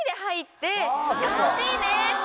って